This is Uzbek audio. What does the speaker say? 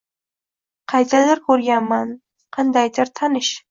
Qaydadir ko’rganman… qandaydir tanish.